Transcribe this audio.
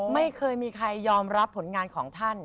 ไม่เคยมีใครยอมรับผลงานของท่าน